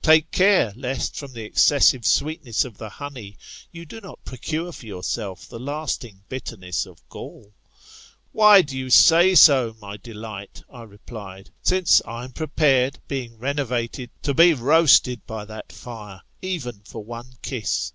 Take care, lest from the excessive sweetness of the honey, you do not procure for yourself the lasting bitterness of gall. Why do you say so, my delight, I replied, since I am prepared, being renovated, to be roasted by that fire, even for one kiss?